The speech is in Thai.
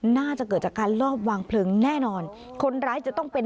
น่าจะเกิดจากการลอบวางเพลิงแน่นอนคนร้ายจะต้องเป็น